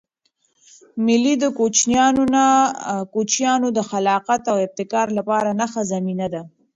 مېلې د کوچنيانو د خلاقیت او ابتکار له پاره ښه زمینه ده.